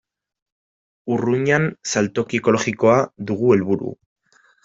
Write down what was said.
Urruñan saltoki ekologikoa dugu helburu.